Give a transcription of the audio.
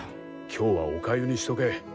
今日はお粥にしとけ。